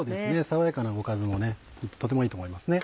爽やかなおかずもねとてもいいと思いますね。